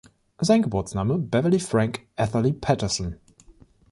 Sein Geburtsname: Beverley Frank Atherly Patterson.